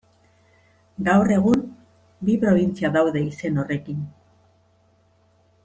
Gaur egun bi probintzia daude izen horrekin.